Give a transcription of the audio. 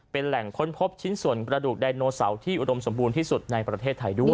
เป็นแหล่งค้นพบชิ้นส่วนกระดูกไดโนเสาร์ที่อุดมสมบูรณ์ที่สุดในประเทศไทยด้วย